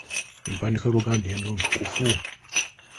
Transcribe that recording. Empandiika y’Oluganda eno ntuufu?